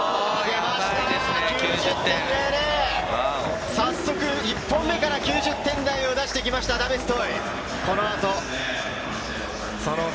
やばいです早速、１本目から９０点を出してきました、ダメストイ。